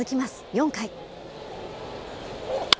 ４回。